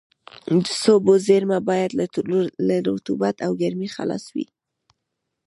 د سبو زېرمه باید له رطوبت او ګرمۍ خلاصه وي.